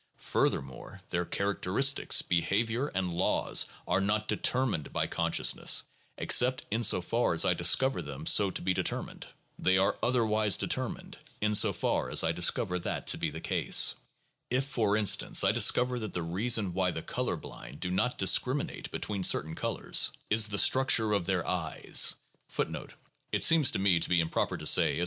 Furthermore, their characteristics, behavior, and laws are not determined by consciousness, except in so far as I discover them so to be determined. They are otherwise determined in so far as I discover that to be the case. If, for instance, I discover that the reason why the color blind do not discriminate be tween certain colors 1 is the structure of their eyes, and if I do not identify their eyes with their consciousness, I may not properly claim that the reason is their consciousness.